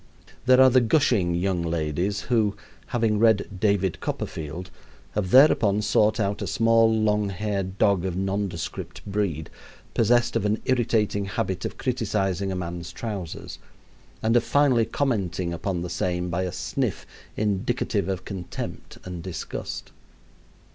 There are the gushing young ladies who, having read "David Copperfield," have thereupon sought out a small, longhaired dog of nondescript breed, possessed of an irritating habit of criticising a man's trousers, and of finally commenting upon the same by a sniff indicative of contempt and disgust.